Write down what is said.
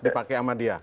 dipakai sama dia